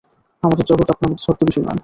আমাদের জগৎ আপনার মত ছদ্মবেশী নয়।